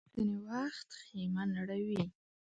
باد ځینې وخت خېمه نړوي